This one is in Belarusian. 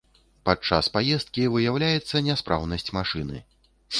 Падчас паездкі выяўляецца няспраўнасць машыны.